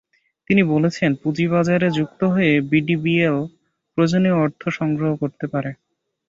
তিনি বলেছেন, পুঁজিবাজারে যুক্ত হয়ে বিডিবিএল প্রয়োজনীয় অর্থ সংগ্রহ করতে পারে।